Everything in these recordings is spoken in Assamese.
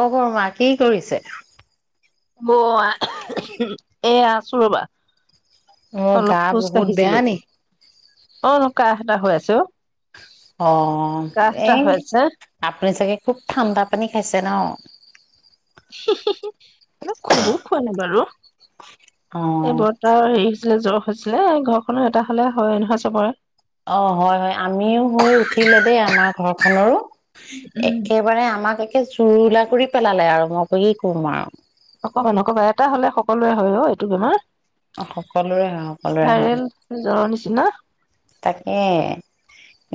অ', বৰমা কি কৰিছে? ব এ আছো ৰ'বা। অ', অলপ গা খোজ বহুত বেয়া কাঢ়িছিলো নি? অ', কাহঁ এটা হৈ আছে অ'। অ', কাহ এটা এই হৈ আছে আপুনি চাগে খুব ঠাণ্ডা পানী খাইছে ন'। খুবো খোৱা নাই বাৰু। অ এই বৰ্তাৰ হেৰি হৈছে ছিলে, জ্বৰ হৈছিলে ঘৰখনৰ এটাৰ হ'লে হয় নহয় চবৰে। অ হয় হয় আমিও হৈ উঠিলে দেই আমাৰ ঘৰখনৰো উম একেবাৰে আমাক এ এ জুৰুলা কৰি পেলালে আৰু মই কি কম আৰু হয়, নকবা এটা হ'লে সকলোৰে হয় অ' এইটো বেমাৰ। সকলোৰে হয়, সকলোৰে হয়। ন? তাকে,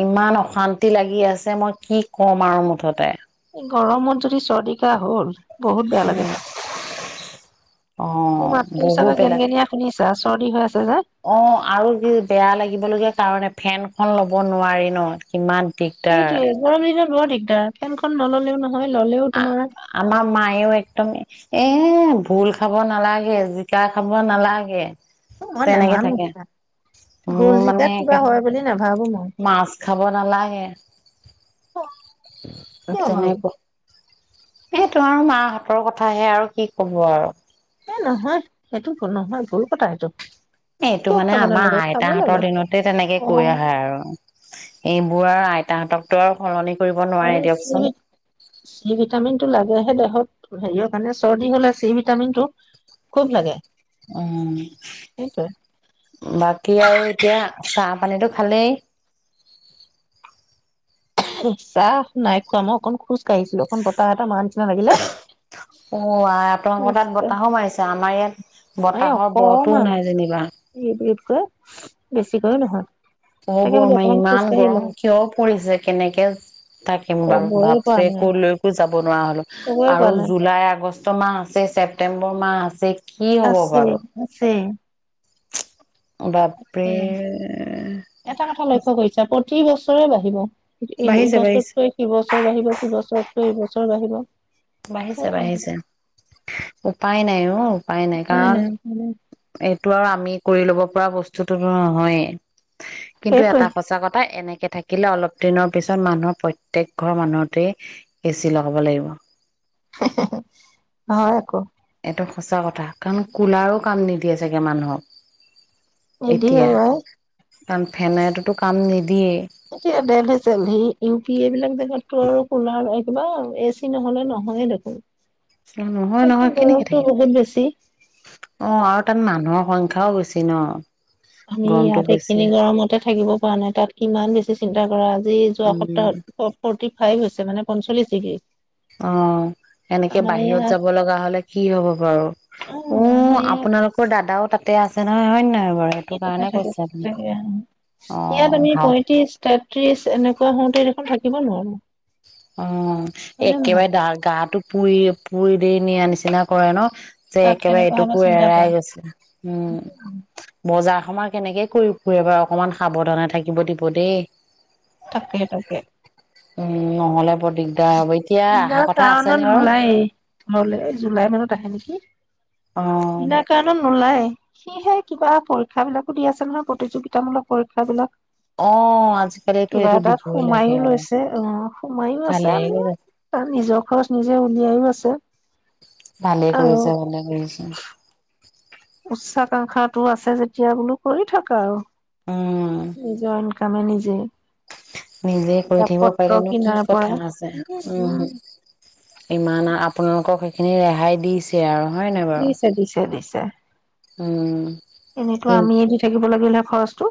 ইমান অশান্তি লাগি আছে মই কি কম আৰু মুঠতে। গৰমত যদি চৰ্দি-কাহ হ'ল বহুত বেয়া লাগে উম, মোৰ অ', মাতটো বহুত চাগে বেলেগ, গেনগেনীয়া শুনিছা চৰ্দি হৈ আছে যে অ' আৰু যি বেয়া লাগিবলগীয়া কাৰণে ফেনখন ল'ব নোৱাৰি ন, ইমান সেইটোয়েই গৰম দিনত বৰ দিক এয়া ফেনখন নল'লেও নহয়। ললেও তোমাৰ আমাৰ মায়েও একদম, এ ভোল খাব নালাগে, জিকা খাব নালাগে মই তেনেকে নামানো থাকে ভুল মোৰ মানে জিকাত কিবা একে, হয় বুলি নাভাবো মই মাছ খাব নালাগে অ, কিয় বাৰু তেনেকৈ সেইটো আৰু মাহঁতৰ কথাহে আৰু কি ক'ব আৰু। এই নহয়, সেইটো ভুল নহয়, ভুল কথা সেইটো। সেইটো মানে আমাৰ আইতাহঁতৰ দিনতে তেনেকে অ কৈ আহা আৰু। এইবোৰ আৰু আইতাহঁতকটো আৰু সলনি কৰিব নোৱাৰে আৰু দিয়কচোন চি, চি ভিটামিনটো লাগেহে দেহত। হেৰীয়ত মানে চৰ্দি হ'লে চি ভিটামিনটো খুব লাগে। অ', সেইটোৱে বাকী আৰু এতিয়া চাহ-পানীটো ভালেই। চাহ নাই খোৱা, মই অকন খোজ কাঢ়িছিলো অকন বতাহ এটা মাৰা নিচিনা লাগিলে। অ', আই আপোনালোকৰ তাত বতাহো মাৰিছে, আমাৰ ইয়াত এই বতাহৰ বতো ও অকমান নাই যেনিবা। ইতকৈ বেছিকৈও নহয় অ তাকে বোলো বৰমা অকমান ইমান খোজকাঢ়ি গৰম লওঁ কিয় পৰিছে? কেনেকে এজ থাকিম বাৰু, কবই পৰা বাপৰে নাই কলৈকো যাব বনোৱা হ'লো কবই আৰু পৰা নাই জুলাই, আগষ্ট মাহ আছে, ছেপ্টেম্বৰ মাহ আছে। কি হ'ব আছে, বাৰু আছে। বাপৰে উম এটা কথা [inaudible] লক্ষ্য কৰিছা প্ৰতি বছৰে বাঢ়িব। বাঢ়িছে বাঢ়িছে এইবছৰতকৈ সি বছৰ বাহিব, সিবছৰতকৈ দুই বছৰ বাঢ়িব। বাঢ়িছে, বাঢ়িছে উপায় নাই অ উপায় নাই, কাৰণ এই টো আৰু আমি কৰি ল'ব পৰা বস্তুটো নহয়েই। কিন্তু সেইটোৱে এটা সঁচা কথা, এনেকে তে থাকিলে অলপ দিনৰ পিছত মানুহ প্ৰত্যয়েক ঘৰ মানুহতেই এচি লগাব লাগিব। হয়, আকৌ। এইটো সঁচা কথা কাৰণ, কুলাৰো কাম নিদিয়ে চাগে মানুহক। নিদিয়ে এতিয়া অ', আই। কাৰণ, ফেনেইতো কাম নিদিয়েই। এতিয়া দেলহি চেলহি, ইউ পি এই বিলাক জেগাততো আৰু কুলাৰ কিবা এ চি নহ'লে নহয়ে দেখোন। নহয়, তাততো নহয় কেনেকে গৰমটো থাকে বহুত বেছি। অ', আৰু তাত মানুহৰ সংখ্যা খাওঁ হৈছে ন'? আমি গৰমটো ইয়াত বেছি এইখিনি গৰমতে থাকিব পৰা নাই, তাত কিমান বেছি চিন্তা কৰা আজি যোৱা উম সপ্তাহত ফ'ৰ্টি ফাইভ হৈছে। মানে পঞ্চলিছ ডিগ্ৰী। অ', এনেকে আমাৰ বাহিৰত ইয়াত যাব লগা হ'লে কি হ'ব বাৰু অ উম, আমাৰ ইয়াত আপোনালোকৰ দাদাও তাতে তাতে আছে নহয় হয়নে থাকে, থাকে আহ, অ ইয়াত আমি ভাল পয়ত্ৰিশ, তেত্ৰিশ এনেকুৱা হওঁতে দেখোন থাকি থাকিব নোৱাৰো। অ', হয় নে নহয়? একেবাৰে গাটো পুৰি, পুৰি দি নিয়া নিচিনা কৰে ন'? যে তাত একেবাৰে কেনেকুৱা হ'ব এইটোকো চিন্তা এৰাই কৰা গৈছে, উম, বজাৰ আমাৰ কেনেকে কৰি ফুৰে বাৰু অকমান সাৱধানে থাকিব দিব দেই। তাকে উম। নহ'লে বৰ দিগদাৰ হব এতিয়া বিনা অহা কথা কাৰণত আছেনে বাৰু নোলায়ে, ঘৰলৈ জুলাই মানত আহে নেকি। কি? অ বিনা কাৰণত নোলাইয়ে। সিহে কিবা পৰীক্ষা বিলাকো দি আছে নহয়, প্ৰতিযোগিতামূলক পৰীক্ষা বিলাক। অ', আজিকালিটো কিবা সিটো এটাত দিবই লাগে সোমাইও আৰু। লৈছে অ সোমাইও আছে তাৰ নিজৰ খৰচ নিজে উলিয়াইও আছে। অ'। ভালেই কৰিছে এনেকে আছে। উচ্চাকাংশাটো আছে যেতিয়া বোলো কৰি থাকা আৰু। উম, নিজৰ ইনকামে নিজে নিজে কৈ কিতাপ থাকিব পত্ৰ পাৰিলে নো কি কিনাৰ কথা পৰা আছে উম, ইমান আ আপোনালোকক সেইখিনি ৰেহাই দিছে আৰু। হয় নাই বাৰু দিছে, দিছে, দিছে, উম এনেতো আমিয়ে দি থাকিব লাগিলে খৰচটো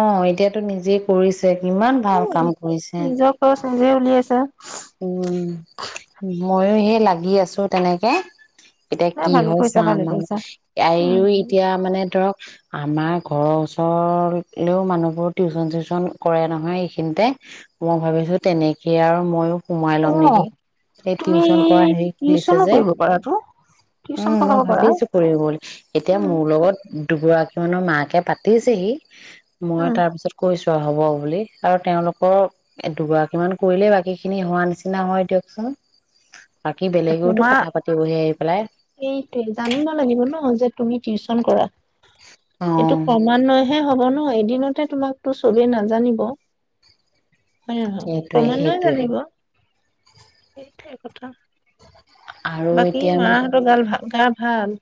অ এতিয়াতো নিজেই কৰিছে কিমান ভাল উম, কাম কৰিছে। নিজৰ খৰচ নিজে উলিয়াছে উম ময়ো সেই লাগি আছো তেনেকে। এতিয়া নাই কি ভালে হয় চা কৰিছা ভালে আমাৰ কৰিছা উম। আও এতিয়া মানে ধৰক আমাৰ ঘৰৰ ওচৰলৈও মানুহবোৰ টিউচন চিউচন কৰে নহয় এইখিনিতে মই ভাবিছোঁ তেনেকেই আৰু ময়ো সোমাই লম নেকি অ' এই তুমি টিউচন কৰা হেৰি খুলিছে টিউচনো যে কৰিব পাৰাতো টিউচন উম মই পঢ়াব পাৰা। ভাবিছো কৰিব বুলি এতিয়া উম মোৰ লগত দুগৰাকী মানৰ মাকে পাতিছেহি মই উম। তাৰ পিছত কৈছো হ'ব বুলি আৰু তেওঁলোকৰ দুগৰাকী মান কৰিলেই বাকী খিনি হোৱা নিচিনা হয় দিয়কচোন বাকী বেলেগেওতো তোমাৰ কথা পাতিবহি আহি পেলাই সেইটোৱে জানিব লাগিব ন যে তুমি টিউচন কৰা এইটো অ', ক্ৰমান্বয় হে হ'ব ন ন এদিনতে তোমাকো চবেই নাজানিব হয় সেইটোৱে ক্ৰমান্বয়ে সেইটোৱে জানিব সেইটোৱে কথা। আৰু বাকী মা হতৰ ভাল গা ভাল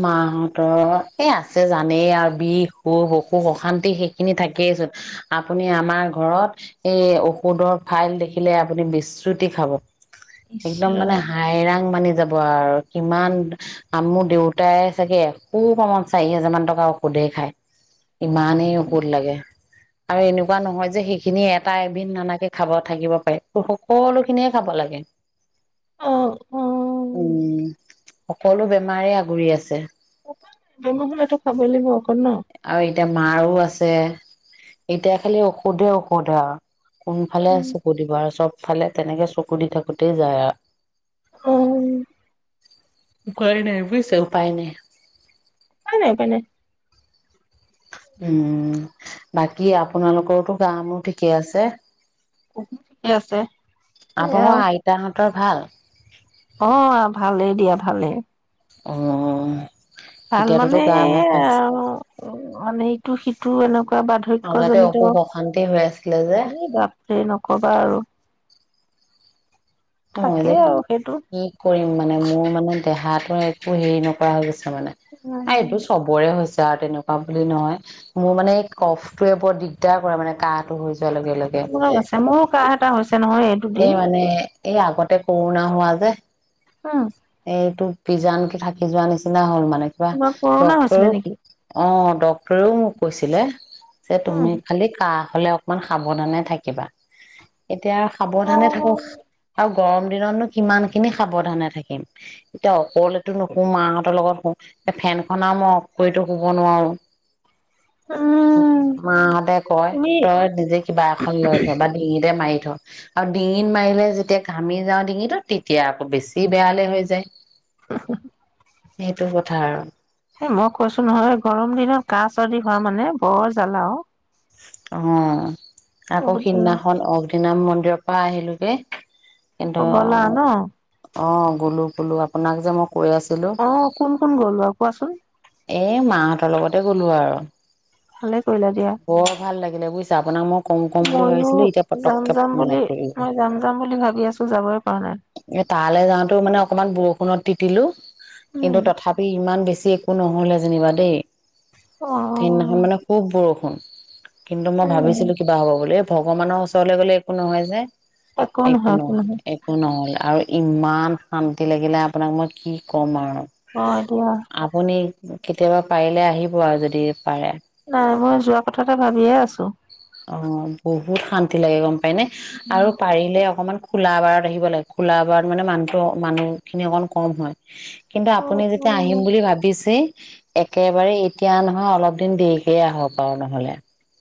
মা হতৰ এ আছে জানেই আৰু বিষ অসুখ অশান্তি সেই খিনি থাকেই চোন আপুনি আমাৰ ঘৰত এই ঔষধৰ ফাইল দেখিলে আপুনি বিচ্ৰুতি খাব। ইচ একদম ৰাম মানে হাইৰান মানি যাব। কোৱা আৰু কিমান আৰু দেউতা গোটাই চাগে এখোপামান চাৰি হোজাৰ মান টকা ঔষধেই খায় ইমানেই অষুধ লাগে আৰু এনেকুৱা নহয় যে সেইখিনি এটা এবিধ নানাকে খাব থাকিব পাৰে সকলো খিনিয়ে খাব লাগে। অ অ উম সকলো বেমাৰে ঘুৰি আছে বেমাৰ হলেটো খাবই লাগিব অকণ ন। আৰু এতিয়া মাৰো আছে এতিয়া খালি ঔষধে ঔষধে আৰু কোনফালে চকু দিব আৰু চব ফালে তেনেকে চকু দি থাকোতেই যায় আৰু উম উম উপায় নাই বুইছে উপায় নাই উপায় নাই, উপায় নাই। উম বাকী আপোনালোকৰো গা মুৰ ঠিকে আছে ঠিক আছে সেয়া ৰ, ভাল। অ', ভালেই দিয়া ভালেই। অ'। ভাল মানে এতিয়াতোতো গা এ, ভাল পাইছে আৰু মানে ত' সিটোও এনেক আগতে বাৰ্ধক্যজনিত অসুখ অশান্তি হৈ আছিলে যে এ বাপৰে নক'বা আৰু। অ' যে থাকেই আৰু সেইটো কি কৰিম মানে? মোৰ মানে দেহাতো একো হেৰি নকৰা হৈ গৈছে। মানে উম এইটো চবৰে হৈছে। য তেনেকুৱা বুলি নহয় মোৰ মানে এই ক'ফটয়ে বৰ দিগদাৰ কৰে মানে কাঁহটো হৈ যোৱাৰ লগে লগে। আছে মোৰো কাঁহ এটা হৈছে নহয় এই দুদিন। এই আগতে কৰোণা হোৱা যে। অ'। এইটো পিজা আনকি থাকি যোৱা নিচিনা হ'ল মান নাই খোৱা তোমাৰ কৰোণা হৈছিলে ডক্তৰক নেকি অ ডক্তৰেও মোক কৈছিলে। যে উম তুমি খালি কাহ হ'লে অকমান সাৱধানে থাকিবা। এতিয়া অ সাৱধানে থাকক আৰু গৰম দিনতনো কিমানখিনি সাৱধানে থাকিম এতিয়া অকলেতো নুশু মাহঁতৰ লগত শুও এ ফেন খন আৰু মই অফ কৰিতো শুব নোৱাৰো। উ উম মাহঁতে কয় তুমি তই নিজে কিবা এখন লৈ থ, বা ডিঙিতে মাৰি আৰু ডিঙিত মাৰিলে যেতিয়া ঘামি যাওঁ ডিঙিটোত তেতিয়া আকৌ বেছি বেয়ালে হৈ যায় যে আৰু এ মই কৈছো নহয় গৰম দিনত কাজ [unintelligible] হোৱা মানে বৰ জ্বালাও অ', আকৌ বহুত জ্বালা সিদিনাখন অগ্নিনাভ মন্দিৰৰ পৰা আহিলো। এ'। কিন্তু অ গ'লা ন অ', গ'লো গ'লো আপোনাক [unintelligible] অ', কোন কোন গলক? কোৱাচোন। এ, মাহঁতৰ লগতে গ'লো আৰু। ভালে। কৰিলা দিয়া। বৰ ভাল লাগিলে বুজিছা, আপোনাক মই কম কম বুলি ময়ো ভাবিছিলো এতিয়া পতককে মনত পৰিলো। কৈ আছো যাবৰ কাৰণে এ, তালৈ যাওঁতে মানে অকমান বৰষুণত তিতিলো। কিন্তু উম তথাপি ইমান বেছি একো নহ'লে যেনিবা দেই। অ সেইদিনাখন উম মানে খুব বৰষুণ। হম। কিন্তু মই ভাবিছিলো কিবা হ'ব বুলি। ভগৱানৰ ওচৰলৈ গ'লে একো নহয় যে। একো নহয়, একো নহয়। আৰু ইমান শান্তি লাগিলে, আপোনাক মই কি কম আৰু। হয় দিয়া আপুনি কেতিয়াবা পাৰিলে আহিব আৰু যদি পাৰে নাই মই যোৱা কথা এটা ভাবিয়ে আছো [unintelligible] হয় নে উম আৰু পাৰিলে অকমান খোলা‌ বাৰত আহিব লাগে, খোলা বাৰত মানে মানুহটো মানুহ খিনি অকন কম হয়। কিন্তু আপুনি যেতিয়া উম আহিম বুলি ভাবিছেই একেবাৰে এতিয়া নহয়, অলপ দিন দেৰিকেই আহক আৰু নহলে।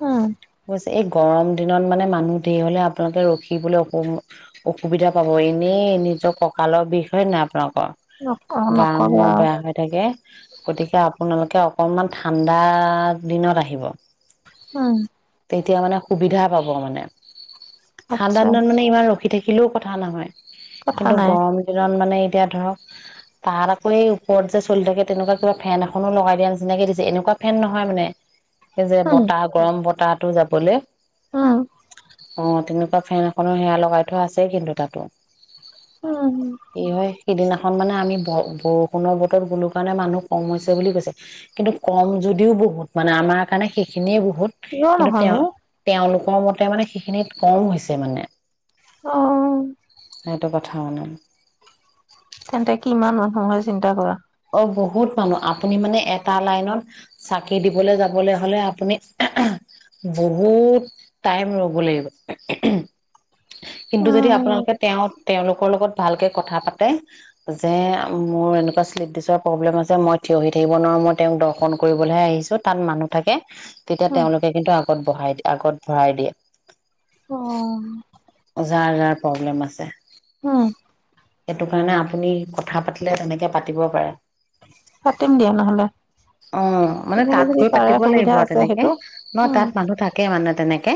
উম বুইছে, এই গৰম দিনত মানে মানুহ ঢেৰ হলে আপোনালোকে ৰখিবলৈ অসু অসুবিধা পাব, এনেই নিজৰ কঁকালৰ বিষ, হয় নাই নক আপোনাৰ গা নকবা মূৰ আৰু বেয়া হৈ থাকে, গতিকে আপোনালোকে অক কনমান ঠাণ্ডা দিনত আহিব। উম। তিয়া মানে সুবিধা পাব মানে ঠাণ্ডা আচ্ছা দিনত মানে ইমান ৰখি থাকি শিকিলেও কথা নহয়। কথা কিন্তু নাই গৰম দিনত মানে, এতিয়া ধৰক তাত আকৌ এই ওপৰত যে চলি থাকে তেনেকুৱা কিবা ফেন এখনো লগাই দিয়া নিচিনাকে দিছে এনেকুৱা ফেন নহয় মানে এই যে বতাহ গৰম বতাহ তাতো যাবলৈ অ অ তেনেকুৱা ফেন এখন সেয়া লগাই থোৱা আছেই কিন্তু তাতো উম কি হয় সিদিনা মানে আমি ব বৰষুণৰ বতৰত গলো কাৰণে মানুহ কম হৈছে বুলি কৈছে। কিন্তু কম যদিও বহুত মানে আমাৰ কাৰণে সেইখিনিয়ে বহুত বহুত হয় নে তেওঁলোকৰ মতে মানে সেইখিনিত কম হৈছে মানে অহ। সেইটো কথা মানে। তেন্তে কিমান মানুহ হয় চিন্তা কৰা অ বহুত মানুহ আপুনি মানে এটা লাইনত চাকি দিবলে যাবলৈ হলে আপুনি বহুত টাইম ৰ'ব লাগিব। কিন্তু যদি উম, আপোনালোকে তেওঁ তেওঁলোক লগত ভালকে কথা পাতে যে মোৰ এনেকুৱা লেডিছৰ প্ৰব্লেম আছে মই থিয় হৈ থাক নোৱাৰো। মই তেওঁক দৰ্শন কৰিবলৈহে আহিছোঁ তাত মানুহ থাকে তেতিয়া উম, তেওঁলোকে কিন্তু আগত বঢ়াই আগত ভাই দিয়ে অ যাৰ যাৰ প্ৰব্লেম আছে। উম সেইটো কাৰণে আপুনি কথা পাতিলে তেনেকে পাতিব পাৰে পাতিম দিয়া নহ'লে অ মানে তেনেকে তাত যদি গৈ পাৰে পাতিব সুবিধা লাগিব আৰু আছে তেনেকে সেইটো। নহয় উম, তাত মানুহ থাকে মানে তেনেকে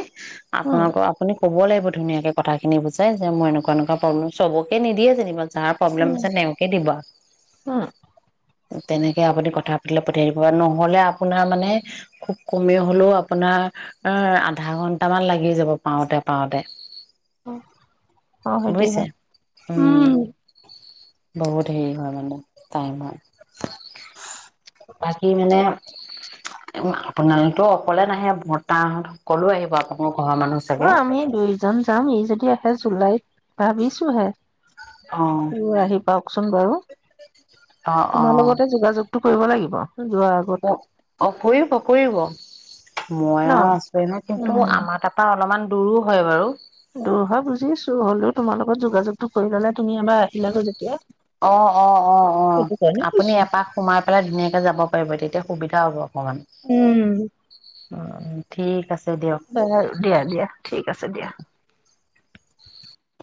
উম, আপোনাক আপুনি কব লাগিব ধুনীয়াকে কথাখিনি বুজাই যে মই এনেকুৱা এনেকুৱা প্ৰব্লেম। চবকে নিদিয়ে যেনিবা যাৰ প্ৰব্লেম উম, আছে তেওঁকে দিব। উম তেনেকে আপুনি কথা পাতিলে পাতিব। নহলে আপোনাৰ মানে খুব কমেই হলেও আপোনাৰ আহ আধা ঘন্টামান লাগি যাব পাওঁতে পাওতে অ সেইতি হে উম বহুত হেৰি হয় মানে টাইম হয় বাকী মানে উ আপোনালোকে অকলে নাহে বৰ্তাহত সকলো আহিব আপোনালোক অ আমি দুইজন যাম ই যদি আহে জুলাইত ভাবিছোহে অ উ আহি পাওকচোন বাৰু তোমাৰ অ', লগতে যোগাযোগ কৰিব লাগিব যোৱাৰ আগত অ কৰিব, কৰিব। মই ন। আৰু আচোয়ে ন কিন্তু উম, আমাৰ তাৰপৰা অলপমান দূৰো হয় বাৰু দুৰ হয় বুজিছো হলেও তোমাৰ লগত যোগাযোগটো কৰি ললে তুমি এবাৰ আহিলাগৈ যেতিয়া অ' অ' অ' অ' সেইটো কাৰণে আপুনি কৈছো। এপাক সোমাই পেলাই ধুনীয়াকে যাব পাৰিব তেতিয়া সুবিধা যাব উম উম ঠিক আছে। দিয়ক। দিয়া দিয়া ঠিক আছে দিয়া।